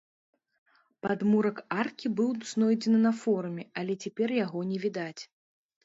Падмурак аркі быў знойдзены на форуме, але цяпер яго не відаць.